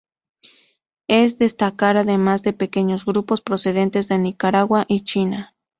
Es destacar además de pequeños grupos procedentes de Nicaragua y China.